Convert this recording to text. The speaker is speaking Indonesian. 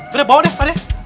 setup bawa deh pak pade